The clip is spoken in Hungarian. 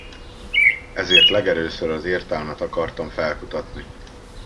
Ezért legelőször az értelmet akartam felkutatni.